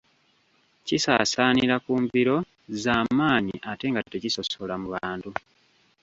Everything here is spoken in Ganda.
Kisaasaanira ku mbiro za maanyi ate nga tekisosola mu bantu.